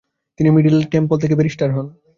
তিনি Middle Temple থেকে barrister হন।